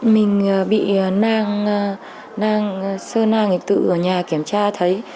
mình bị nang nang sơ nang tự ở nhà kiểm tra thấy